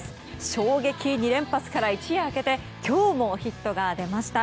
衝撃２連発から一夜明けて今日もヒットが出ました。